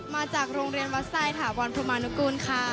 มาจากโรงเรียนวัดทรายถาวรพรุมานุกูลค่ะ